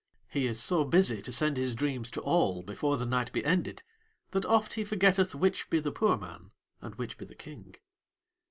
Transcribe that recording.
He is so busy to send his dreams to all before the night be ended that oft he forgetteth which be the poor man and which be The King.